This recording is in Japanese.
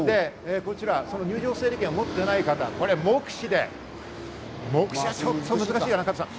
こちら入場整理券を持っていない方、目視で目視は難しいかな。